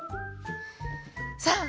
さあ！